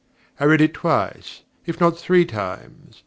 I read it twice, if not three times.